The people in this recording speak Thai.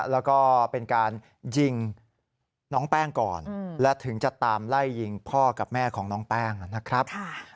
แล้วก็เป็นการยิงน้องแป้งก่อนและถึงจะตามไล่ยิงพ่อกับแม่ของน้องแป้งนะครับ